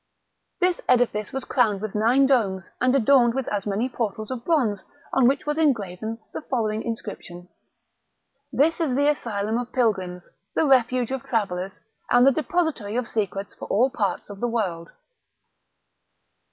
This edifice was crowned with nine domes, and adorned with as many portals of bronze, on which was engraven the following inscription: "This is the asylum of pilgrims, the refuge of travellers, and the depository of secrets for all parts of the world."